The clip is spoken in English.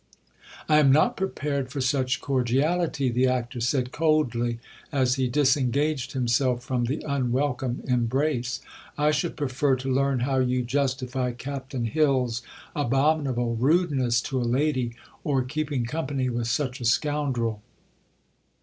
"I am not prepared for such cordiality," the actor said coldly, as he disengaged himself from the unwelcome embrace. "I should prefer to learn how you justify Captain Hill's abominable rudeness to a lady, or keeping company with such a scoundrel."